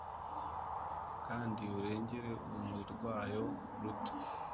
Kandi urengere urumuri rwayo ruto